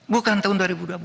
bukan tahun dua ribu dua belas